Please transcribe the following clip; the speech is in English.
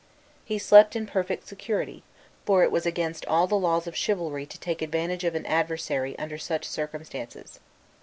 He slept in perfect security, for it was against all the laws of chivalry to take advantage of an adversary under such circumstances.